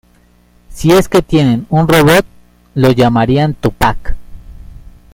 Si es que tienen un robot, lo llamarían Tupac.